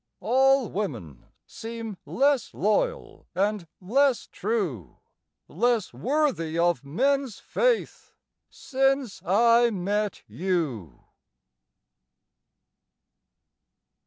All women seem less loyal and less true, Less worthy of men's faith since I met you.